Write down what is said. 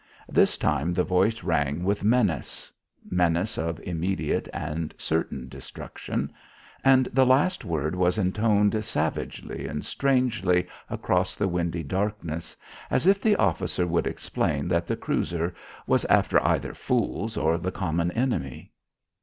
This time the voice rang with menace, menace of immediate and certain destruction, and the last word was intoned savagely and strangely across the windy darkness as if the officer would explain that the cruiser was after either fools or the common enemy.